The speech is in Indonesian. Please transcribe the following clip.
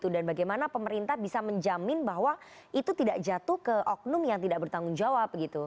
dan bagaimana pemerintah bisa menjamin bahwa itu tidak jatuh ke oknum yang tidak bertanggung jawab